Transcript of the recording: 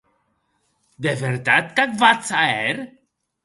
De vertat qu’ac vatz a hèr?